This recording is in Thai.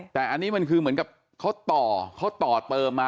แต่อันนี้มันคือเหมือนกับเขาต่อเขาต่อเติมมา